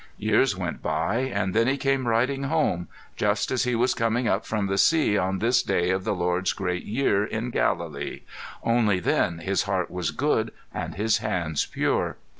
Years went by and then he came riding home just as he was coming up from the sea on this day of the Lord's Great Year in Galilee only then his heart was good and his hands pure.